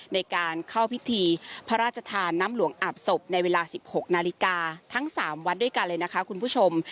ในการเข้าพิธีพระราชทานน้ำหลวงอาบศพในเวลา๑๖นาฬิกาทั้ง๓วัดด้วยกันเลยนะคะคุณผู้ชม